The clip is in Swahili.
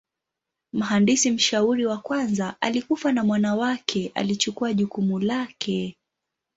Mhandisi mshauri wa kwanza alikufa na mwana wake alichukua jukumu lake.